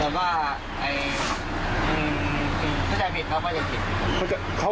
๒เรื่องข้าว